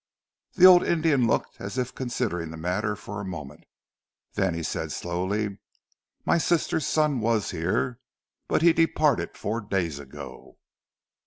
The old Indian looked as if considering the matter for a moment, then he said slowly. "My sister's son was here, but he departed four days ago."